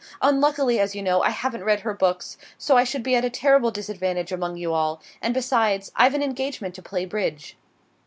Unluckily, as you know, I haven't read her books, so I should be at a terrible disadvantage among you all, and besides, I've an engagement to play bridge."